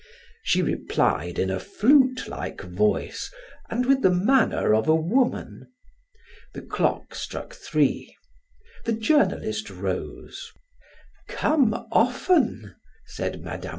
She replied in a flute like voice and with the manner of a woman. The clock struck three; the journalist rose. "Come often," said Mme.